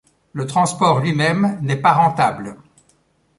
Le transport lui-même n'est pas rentable.